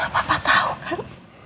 papa tahu kan